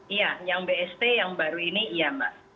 iya yang bst yang baru ini iya mbak